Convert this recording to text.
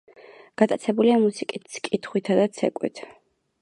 გატაცებულია მუსიკით, კითხვითა და ცეკვით.